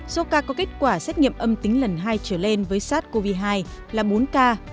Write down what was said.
số ca có kết quả xét nghiệm âm tính lần hai trở lên với sars cov hai là bốn ca